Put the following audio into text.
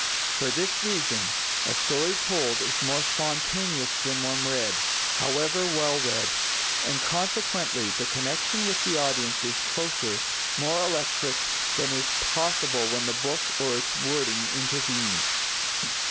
For this reason, a story told is more spontaneous than one read, however well read. And, consequently, the connection with the audience is closer, more electric, than is possible when the book or its wording intervenes.